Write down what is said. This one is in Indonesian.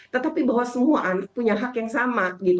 tetapi bahwa semua anak punya hak yang sama